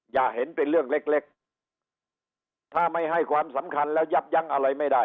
อย่าเห็นเป็นเรื่องเล็กเล็กถ้าไม่ให้ความสำคัญแล้วยับยั้งอะไรไม่ได้